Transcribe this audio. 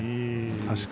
確か。